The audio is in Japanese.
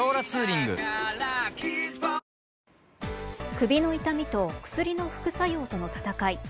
首の痛みと薬の副作用との戦い。